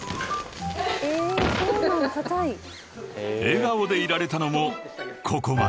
［笑顔でいられたのもここまで］